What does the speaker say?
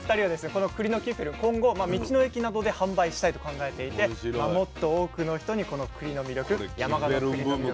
このくりのキッフェルン今後道の駅などで販売したいと考えていてもっと多くの人にこのくりの魅力山鹿のくりの魅力。